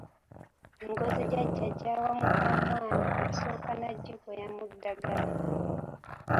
Engozi jjajja gy’awa mukamwana asooka n’agigoya mu ddagala